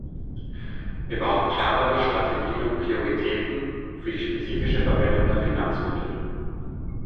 Wir brauchen klarere Strategien und Prioritäten für die spezifische Verwendung der Finanzmittel.